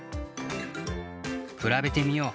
くらべてみよう。